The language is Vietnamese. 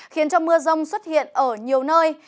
khiến cho mưa rông xuất hiện ở nhiều nơi